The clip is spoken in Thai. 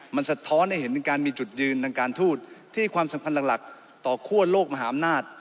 มันสะท้อนให้เห็นถึงการมีจุดยืนทางการทูตที่ให้ความสำคัญหลักต่อคั่วโลกมหาอำนาจ